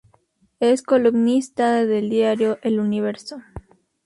Es columnista del diario El Universo.